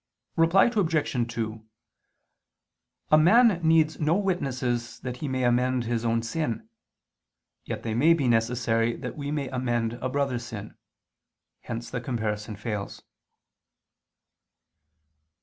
Reply Obj. 2: A man needs no witnesses that he may amend his own sin: yet they may be necessary that we may amend a brother's sin. Hence the comparison fails.